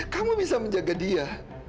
kamu bisa menjaga dia